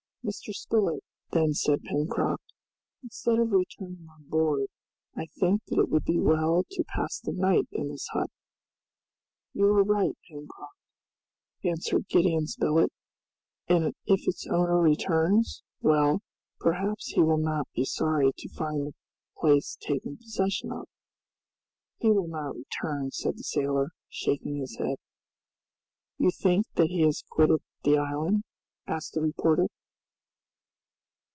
"Mr. Spilett," then said Pencroft, "instead of returning on board, I think that it would be well to pass the night in this hut." "You are right, Pencroft," answered Gideon Spilett, "and if its owner returns, well! perhaps he will not be sorry to find the place taken possession of." "He will not return," said the sailor, shaking his head. "You think that he has quitted the island?" asked the reporter.